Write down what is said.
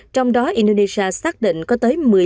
trong đó indonesia xác định có tới một mươi